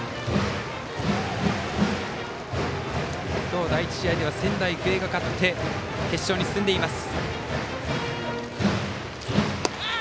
今日第１試合では仙台育英が勝ち決勝に進んでいます。